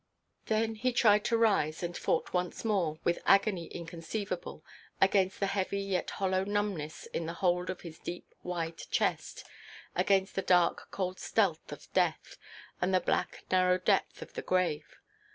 Then he tried to rise, and fought once more, with agony inconceivable, against the heavy yet hollow numbness in the hold of his deep, wide chest, against the dark, cold stealth of death, and the black, narrow depth of the grave.